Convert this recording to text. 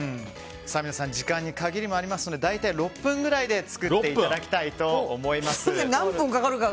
皆さん時間に限りもありますので大体６分くらいで作っていただきたいと思います。